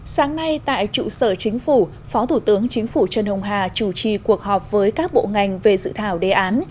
sáng nay tại trụ sở chính phủ phó thủ tướng chính phủ trần hồng hà chủ trì cuộc họp với các bộ ngành về dự thảo đề án